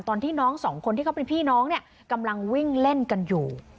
ตอนที่น้องสองคนที่เขาเป็นพี่น้องเนี่ยกำลังวิ่งเล่นกันอยู่